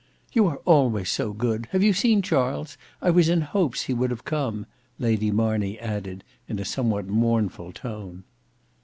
"You are always so good! Have you seen Charles? I was in hopes he would have come," Lady Marney added in a somewhat mournful tone.